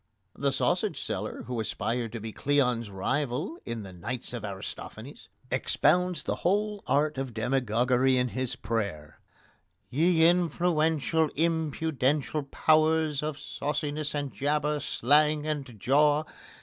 The Sausage Seller who aspired to be Cleon's rival, in The Knights of Aristophanes, expounds the whole art of demagogy in his prayer: Ye influential impudential powers Of sauciness and jabber, slang and jaw!